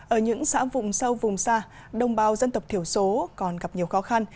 ở những xã vùng sâu vùng xa đồng bào dân tộc thiểu số còn gặp nhiều khó khăn